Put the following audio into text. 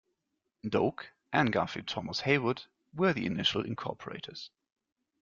Doak, and Garfield Thomas Haywood were the initial incorporators.